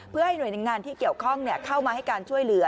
เพื่อให้หน่วยงานที่เกี่ยวข้องเข้ามาให้การช่วยเหลือ